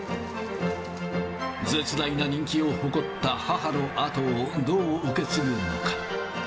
絶大な人気を誇った母の跡をどう受け継ぐのか。